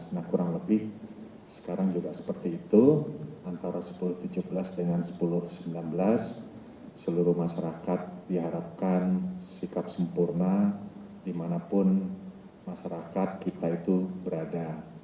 nah kurang lebih sekarang juga seperti itu antara sepuluh tujuh belas dengan sepuluh sembilan belas seluruh masyarakat diharapkan sikap sempurna dimanapun masyarakat kita itu berada